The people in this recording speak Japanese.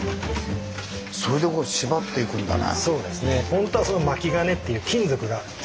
それで縛っていくんだね。